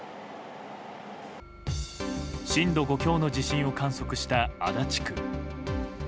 震度５強の地震を観測した足立区。